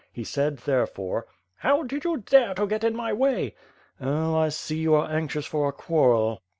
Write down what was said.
He said, therefore: "How did you dare to get in my way?" "Oh, I see you are anxious for a quarrel."